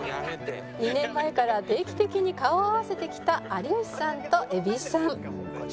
２年前から定期的に顔を合わせてきた有吉さんと蛭子さん